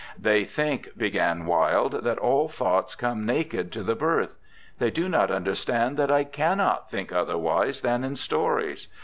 'They think,' began Wilde, 'that all thoughts come naked to the birth. They do not understand that I cannot think otherwise than in stories.